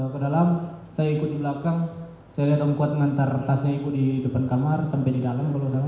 kedalam saya ikut belakang saya lihat omkuat mengantar tasnya ikut di depan kamar sampai di dalam